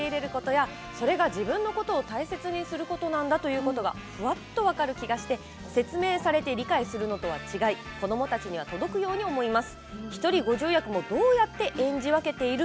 番組内容が、とてもすばらしくそれぞれの違いをそのまま受け入れることやそれが自分のことを大切にすることなんだということが、ふわっと分かる気がして説明されて理解するのとは違い子どもたちに届くように思います。